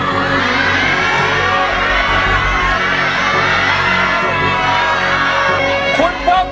ร้องได้ร้องไป